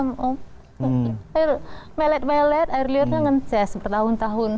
melet melet air liurnya nge test bertahun tahun